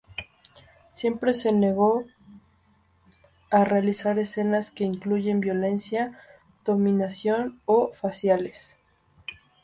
Siempre se negó a realizar escenas que incluyeran violencia, dominación o "faciales".